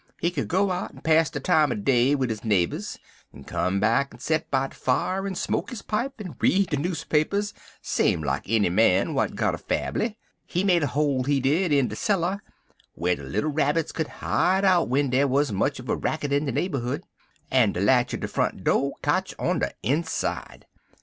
He could go out en pass de time er day 'wid his neighbors, en come back en set by de fier, en smoke his pipe, en read de newspapers same like enny man w'at got a fambly. He made a hole, he did, in de cellar whar de little Rabbits could hide out w'en dar wuz much uv a racket in de neighborhood, en de latch er de front do' kotch on de inside.